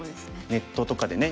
ネットとかでね